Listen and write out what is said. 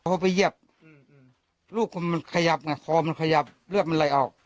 พอไปเหยียบลูกมันขยับไงคอมันขยับเลือดมันไหลออก